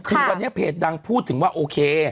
คือวันนี้เพจดังพูดถึงว่าโอเค